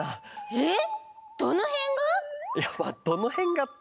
えっ？